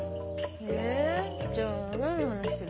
えじゃあ何の話する？